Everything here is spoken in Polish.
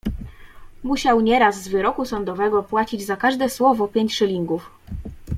"Musiał nieraz z wyroku sądowego płacić za każde słowo pięć szylingów."